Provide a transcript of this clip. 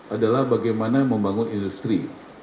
adalah bagaimana membangun industri